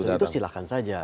itu silakan saja